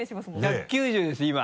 １９０です今。